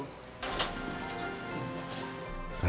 kembali ke tempat yang lebih baik